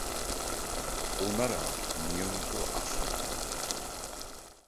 ওনারা নিয়মিত আসেন।